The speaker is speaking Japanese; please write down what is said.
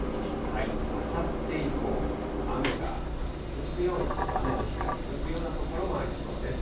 あさって以降、雨が続くような、雨の日が続くような所もありそうです。